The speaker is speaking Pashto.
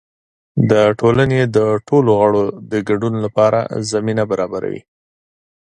د ټولنې د ټولو غړو د ګډون لپاره زمینه برابروي.